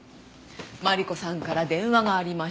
マリコさんから電話がありました。